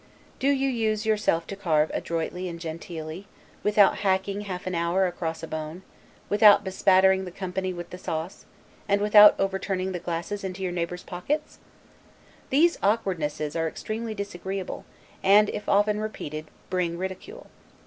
Do you use yourself to carve ADROITLY and genteelly, without hacking half an hour across a bone; without bespattering the company with the sauce; and without overturning the glasses into your neighbor's pockets? These awkwardnesses are extremely disagreeable; and, if often repeated, bring ridicule.